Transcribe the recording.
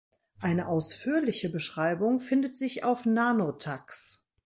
Eine ausführliche Beschreibung findet sich auf Nanotax.